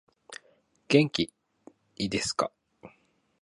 元気いですか